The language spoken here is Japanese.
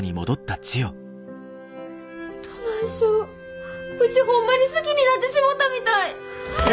どないしようちほんまに好きになってしもたみたい。え！